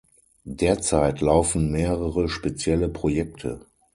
Derzeit laufen mehrere spezielle Projekte.